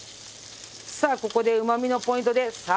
さあここでうまみのポイントです。